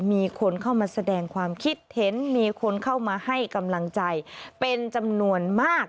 มีคนเข้ามาแสดงความคิดเห็นมีคนเข้ามาให้กำลังใจเป็นจำนวนมาก